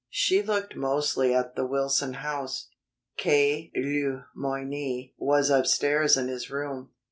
She looked mostly at the Wilson house. K. Le Moyne was upstairs in his room.